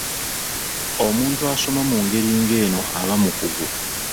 Omuntu asoma mu ngeri ng'eno aba mukugu.